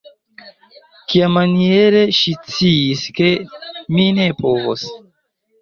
Kiamaniere ŝi sciis, ke mi ne povos?